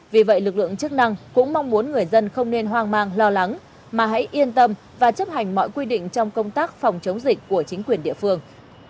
vì vậy lực lượng chức năng cũng mong muốn người dân không nên hoang mang lo lắng mà hãy yên tâm và chấp hành mọi quy định trong công tác phòng chống dịch của chính quyền địa phương